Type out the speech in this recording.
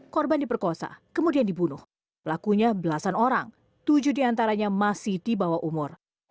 korban diperkosa kemudian dibunuh pelakunya belasan orang tujuh diantaranya masih di bawah umur